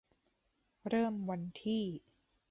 เริ่มวันที่